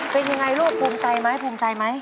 เป็นยังไงลูกภูมิใจไหมภูมิใจไหม